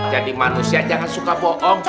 jadi manusia jangan suka bohong